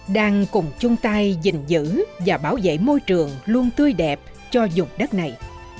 đang cùng chung tay gìn giữ và bảo vệ môi trường luôn tươi đẹp cho dụng đất này